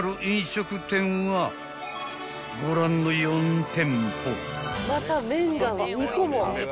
［ご覧の４店舗］